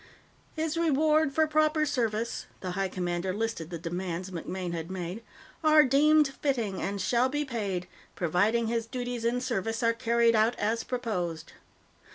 "His reward for proper service" The High Commander listed the demands MacMaine had made "are deemed fitting, and shall be paid, provided his duties in service are carried out as proposed.